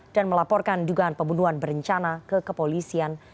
dan melaporkan dugaan pembunuhan berencana ke kepolisian